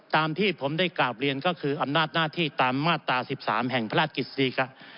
ตามที่ผมได้กราบเรียนก็คืออำนาจหน้าที่ตามมาตรา๑๓แห่งพระราชกิจ